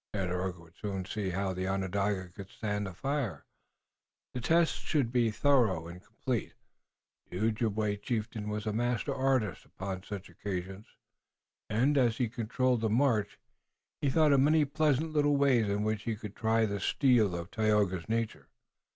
Tandakora would soon see how the Onondaga could stand the fire. The test should be thorough and complete The Ojibway chieftain was a master artist upon such occasions, and, as he continued the march, he thought of many pleasant little ways in which he could try the steel of Tayoga's nature.